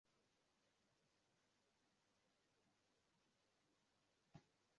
kuchimba ili kuifikia wakiwa katika uchimbaji ghafla